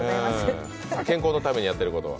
健康のためにやってることは？